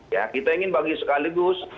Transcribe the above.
ya kita ingin bagi sekaligus